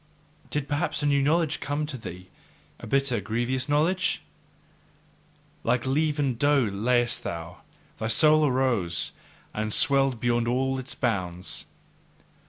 Did perhaps a new knowledge come to thee, a bitter, grievous knowledge? Like leavened dough layest thou, thy soul arose and swelled beyond all its bounds.